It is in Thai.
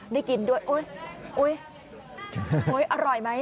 ได้กินด้วยอุ๊ยอร่อยไหม